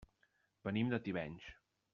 Venim de Tivenys.